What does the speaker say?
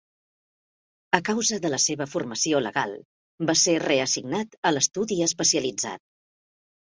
A causa de la seva formació legal, va ser reassignat a l'estudi especialitzat.